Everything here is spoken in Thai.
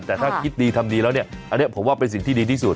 แต่ถ้าคิดดีทำดีแล้วเนี่ยอันนี้ผมว่าเป็นสิ่งที่ดีที่สุด